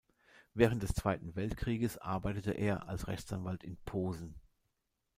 Während des Zweiten Weltkrieges arbeitete er als Rechtsanwalt in Posen.